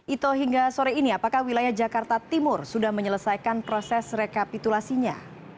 ito hingga sore ini apakah wilayah jakarta timur sudah menyelesaikan proses rekapitulasinya